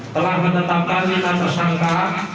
telah menetapkan lima tersangka